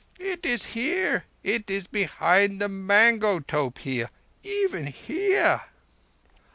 It is here! It is behind the mango tope here—even here!"